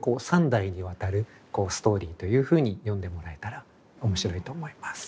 ３代にわたるストーリーというふうに読んでもらえたら面白いと思います。